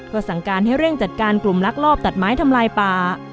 ก็สั่งการให้เร่งจัดการกลุ่มลักลอบตัดไม้ทำลายป่า